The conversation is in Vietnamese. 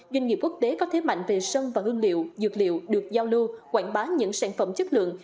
doanh nghiệp quốc tế có thế mạnh về sâm và hương liệu dược liệu được giao lưu quảng bá những sản phẩm chất lượng